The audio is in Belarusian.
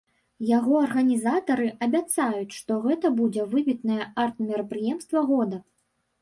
Яго арганізатары абяцаюць, што гэта будзе выбітнае арт-мерапрыемства года.